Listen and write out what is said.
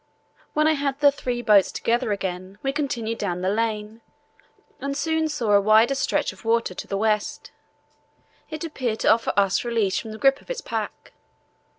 When I had the three boats together again we continued down the lane, and soon saw a wider stretch of water to the west; it appeared to offer us release from the grip of the pack.